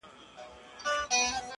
څونه ښکلی معلومېږي قاسم یاره زولنو کي،